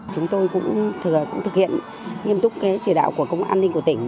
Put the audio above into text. chúng tôi cũng thực hiện nghiêm túc chỉ đạo của công an ninh của tỉnh